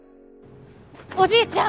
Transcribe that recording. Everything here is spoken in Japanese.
おじいちゃん！